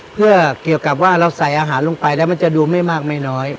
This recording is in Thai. เพื่อเกี่ยวกับว่าเราใส่อาหารลงไปแล้วมันจะดูไม่มากไม่น้อย